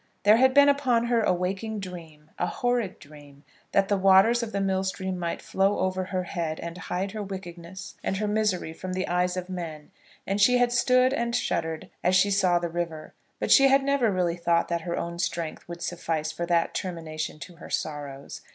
There had been upon her a waking dream, a horrid dream, that the waters of the mill stream might flow over her head, and hide her wickedness and her misery from the eyes of men; and she had stood and shuddered as she saw the river; but she had never really thought that her own strength would suffice for that termination to her sorrows.